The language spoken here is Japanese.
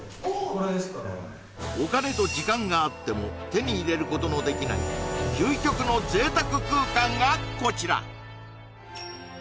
・これですかねお金と時間があっても手に入れることのできない究極の贅沢空間がこちら！